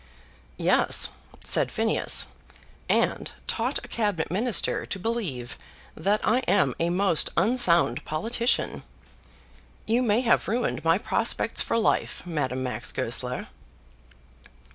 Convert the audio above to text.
"Yes," said Phineas, "and taught a Cabinet Minister to believe that I am a most unsound politician. You may have ruined my prospects for life, Madame Max Goesler."